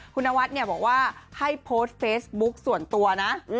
คุณนวัดเนี่ยบอกว่าให้โพสต์เฟซบุ๊กส่วนตัวนะ